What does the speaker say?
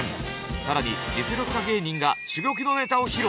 更に実力派芸人が珠玉のネタを披露。